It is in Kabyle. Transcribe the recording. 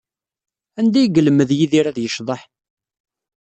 Anda ay yelmed Yidir ad yecḍeḥ?